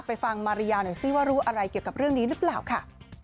ฟังมาริยาหน่อยซิว่ารู้อะไรเกี่ยวกับเรื่องนี้หรือเปล่าค่ะ